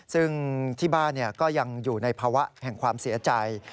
ซึ่งที่บ้านก็ยังอยู่ในภาวะแห่งความเสียใจ